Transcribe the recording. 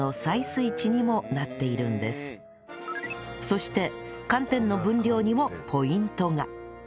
そして寒天の分量にもポイントが